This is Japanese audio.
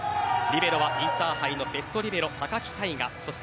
リベロがインターハイでベストリベロ高木大我。